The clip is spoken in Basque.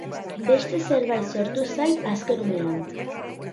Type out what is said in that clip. Beste zerbait sortu zait azken unean.